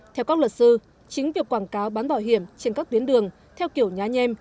theo các luật sư chính việc quảng cáo bán bảo hiểm trên các tuyến đường theo kiểu nhá nhem